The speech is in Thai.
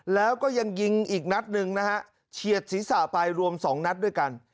แล้วก็ยังยิงอีกนัดหนึ่งนะฮะเฉียดศีรษะไปรวม๒นัดด้วยกัน